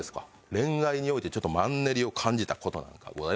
恋愛においてマンネリを感じた事なんかございません？